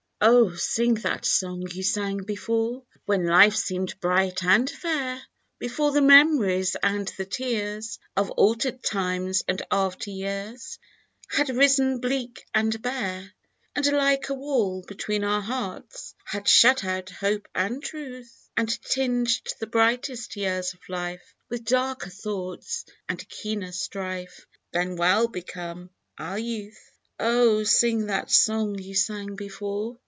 OH ! sing that song you sang before When Life seemed bright and fair ! Before the mem'ries and the tears Of alter'd times and after years Had risen bleak and bare ; And like a wall, between our hearts Had shut out Hope and Truth, And tinged the brightest years of Life With darker thoughts, and keener strife Than well became our youth ! Oh ! sing that song you sang before